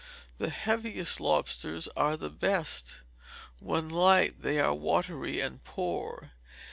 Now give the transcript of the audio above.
The heaviest lobsters are the best; when light they are watery and poor.